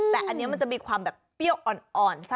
มันจะมีความเปรี้ยวอ่อน